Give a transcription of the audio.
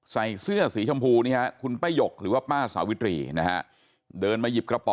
ใส่เสื้อสีชมพูเนี่ยคุณป้ายกหรือว่าป้าสาวิถรีนะฮะ